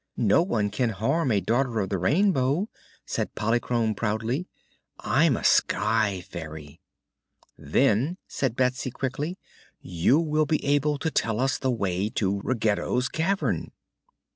"No one can harm a Daughter of the Rainbow," said Polychrome proudly. "I'm a sky fairy." "Then," said Betsy, quickly, "you will be able to tell us the way to Ruggedo's cavern."